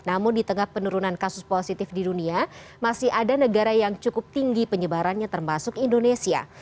namun di tengah penurunan kasus positif di dunia masih ada negara yang cukup tinggi penyebarannya termasuk indonesia